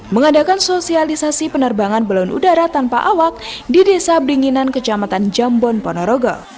mengadakan sosialisasi penerbangan balon udara tanpa awak di desa beringinan kecamatan jambon ponorogo